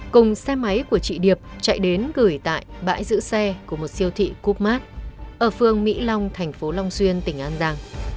cùng xe máy của chị điệp chạy đến gửi tại bãi giữ xe của một siêu thị cúc mark ở phương mỹ long thành phố long xuyên tỉnh an giang